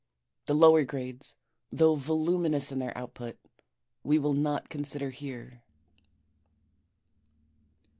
The lower grades, though voluminous their output, we will not consider here.